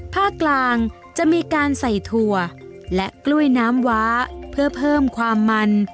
ภาคกลางจะมีการใส่ถั่วและกล้วยน้ำว้าเพื่อเพิ่มความมัน